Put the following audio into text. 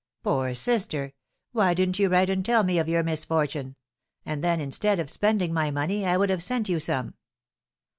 "Poor sister! Why didn't you write and tell me of your misfortune; and then, instead of spending my money, I would have sent you some."